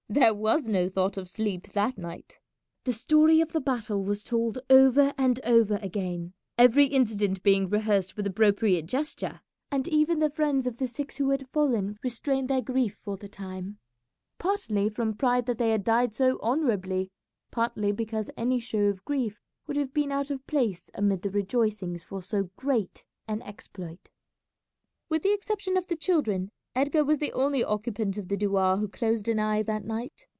There was no thought of sleep that night. The story of the battle was told over and over again, every incident being rehearsed with appropriate gesture, and even the friends of the six who had fallen restrained their grief for the time, partly from pride that they had died so honourably, partly because any show of grief would have been out of place amid the rejoicings for so great an exploit. With the exception of the children Edgar was the only occupant of the douar who closed an eye that night.